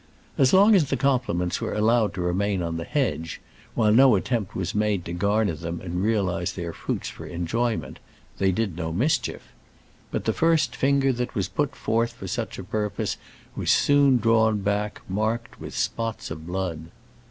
As long as the compliments were allowed to remain on the hedge while no attempt was made to garner them and realize their fruits for enjoyment they did no mischief; but the first finger that was put forth for such a purpose was soon drawn back, marked with spots of blood.